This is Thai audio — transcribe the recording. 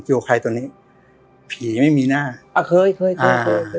โยไฮตัวนี้ผีไม่มีหน้าอ่าเคยเคยเคยอ่า